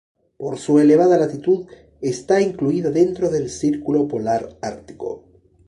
Por su elevada latitud, está incluida dentro del círculo polar ártico.